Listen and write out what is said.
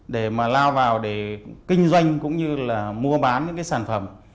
để mà lao vào để kinh doanh cũng như là mua bán những cái sản phẩm